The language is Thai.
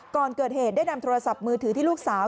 ก่อนเกิดเหตุได้นำโทรศัพท์มือถือที่ลูกสาว